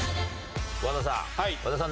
和田さん。